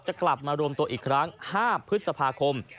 กลับมารวมตัวอีกครั้ง๕พฤษภาคม